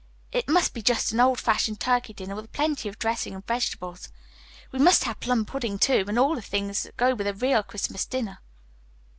It must be just an old fashioned turkey dinner with plenty of dressing and vegetables. We must have plum pudding, too, and all the things that go with a real Christmas dinner."